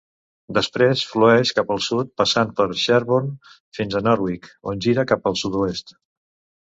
Després flueix cap al sud passant per Sherburne fins a Norwich, on gira cap al sud-oest.